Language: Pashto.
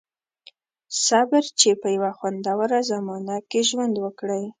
• صبر، چې په یوه خوندوره زمانه کې ژوند وکړئ.